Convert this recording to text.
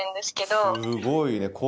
すごいね。